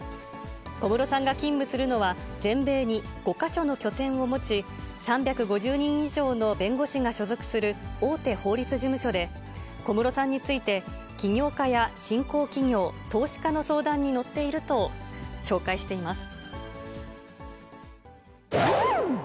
小室さんが勤務するのは、全米に５か所の拠点を持ち、３５０人以上の弁護士が所属する大手法律事務所で、小室さんについて起業家や新興企業、投資家の相談に乗っていると紹介しています。